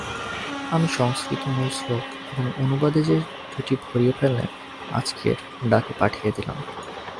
আমি সংস্কৃত মূল শ্লোক এবং অনুবাদে সে দুটি ভরিয়ে ফেলে আজকের ডাকে পাঠিয়ে দিলাম।